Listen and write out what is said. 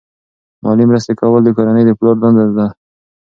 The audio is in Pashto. مالی مرسته کول د کورنۍ د پلار دنده ده.